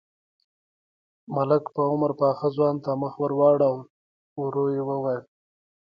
ملک په عمر پاخه ځوان ته مخ ور واړاوه، ورو يې وويل: